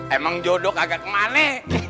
emang jodoh kagak kemana